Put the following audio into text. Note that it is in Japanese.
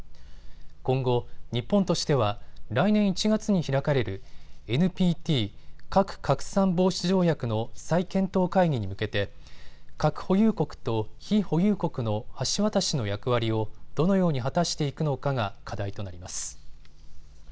今後、日本としては来年１月に開かれるＮＰＴ・核拡散防止条約の再検討会議に向けて核保有国と非保有国の橋渡しの役割をどのように果たしていくのかが課題となります。